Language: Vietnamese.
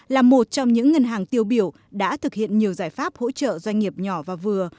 là một trong những ngân hàng tiêu biểu đã thực hiện nhiều giải pháp hỗ trợ doanh nghiệp nhỏ và vừa